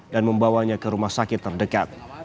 dan membawanya ke rumah sakit terdekat